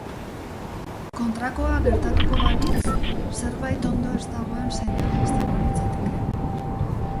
Kontrakoa gertatuko balitz, zerbait ondo ez dagoen seinale izango litzateke.